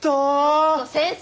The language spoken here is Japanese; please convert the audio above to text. ちょっと先生！